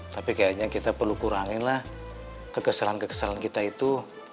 tapi kayaknya kita perlu kuranginlah kekeselan kekeselan kita itu